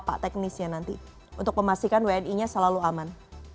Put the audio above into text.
apa teknisnya nanti untuk memastikan wni nya selalu aman